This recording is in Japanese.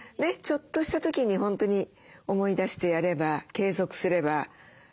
ちょっとした時に本当に思い出してやれば継続すれば。